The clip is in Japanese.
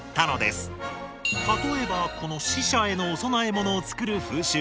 例えばこの死者へのお供え物を作る風習。